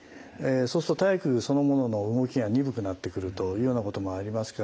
そうすると体育そのものの動きが鈍くなってくるというようなこともありますから。